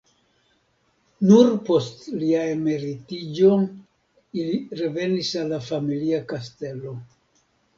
Nur post lia emeritiĝo ili revenis al la familia kastelo.